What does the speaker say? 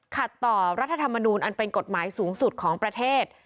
ขัดต่อรัฐธรรมนูญอันเป็นกฎหมายสูงสุดของประเทศ